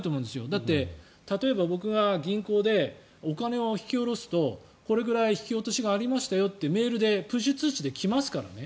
だって、例えば、僕が銀行でお金を引き下ろすとこれぐらい引き落としがありましたよってメールでプッシュ通知で来ますからね。